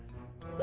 あ？